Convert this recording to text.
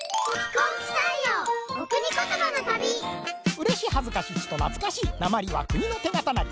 うれしはずかしちとなつかしいなまりは国のてがたなり。